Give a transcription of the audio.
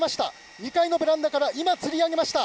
２階のベランダから今、つり上げました。